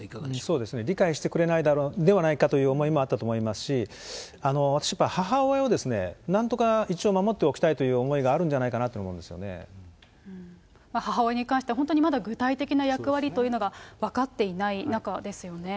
そうですね、理解してくれないのではないかという思いもあったと思いますし、私、母親をなんとか一応守っておきたいという思いがあるんじゃないか母親に関しては、本当にまだ具体的な役割というのが分かっていない中ですよね。